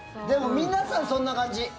でも皆さんそんな感じ。